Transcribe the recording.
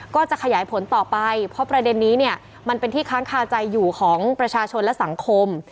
ก็จะขยายผลต่อไปเพราะประเด็นนี้เนี่ยมันเป็นที่ค้างคาใจอยู่ของประชาชนและสังคม